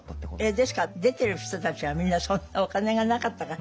ですから出てる人たちはみんなそんなお金がなかったから。